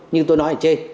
nhưng tôi nói là chê